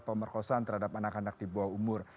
pemerkosaan terhadap anak anak di bawah umur